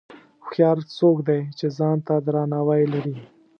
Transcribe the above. هوښیار څوک دی چې ځان ته درناوی لري.